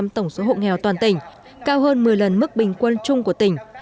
năm mươi một tổng số hộ nghèo toàn tỉnh cao hơn một mươi lần mức bình quân chung của tỉnh